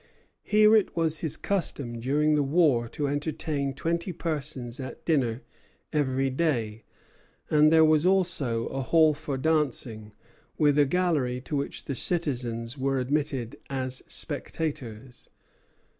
Here it was his custom during the war to entertain twenty persons at dinner every day; and there was also a hall for dancing, with a gallery to which the citizens were admitted as spectators.